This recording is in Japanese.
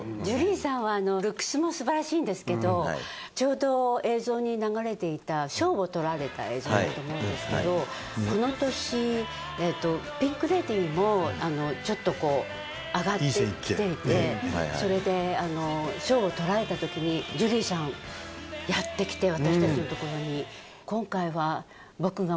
ジュリーさんはルックスもすばらしいんですけどちょうど映像に流れていた賞をとられた映像だと思うんですけどこの年ピンク・レディーもちょっと上がってきていてそれで賞をとられたときにジュリーさんやってきて私たちのところに。